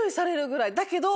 だけど。